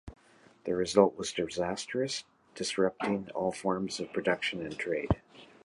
The result was disastrous, disrupting all forms of production and trade.